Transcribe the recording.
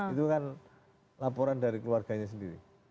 itu kan laporan dari keluarganya sendiri